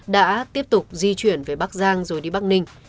đã tiếp tục di chuyển về bắc giang rồi đi bắc ninh